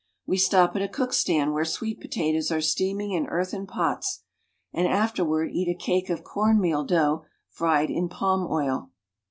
We stop at a cook stand where sweet potatoes are Lsteaming in earthen pots, and afterward eat a cake of »rn meal dough fried in palm oil.